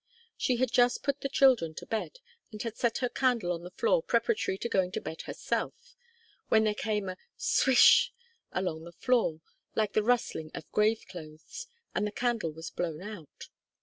She had just put the children to bed, and had set her candle on the floor preparatory to going to bed herself, when there came a 'swish' along the floor, like the rustling of grave clothes, and the candle was blown out.